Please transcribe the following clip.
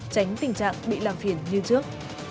tránh tình trạng bị làm phiền như trước